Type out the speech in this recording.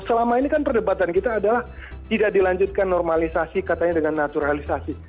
selama ini kan perdebatan kita adalah tidak dilanjutkan normalisasi katanya dengan naturalisasi